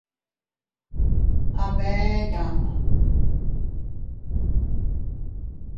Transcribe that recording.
Aa bee yaa.